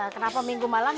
kenapa minggu malam